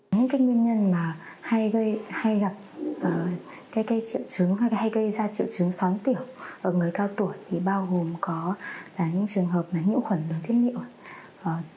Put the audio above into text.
những cái nguyên nhân mà hay gây ra triệu chứng xón tiểu ở người cao tuổi thì bao gồm có những trường hợp là nhiễu khuẩn đường thiết nhiệm